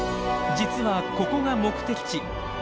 実はここが目的地。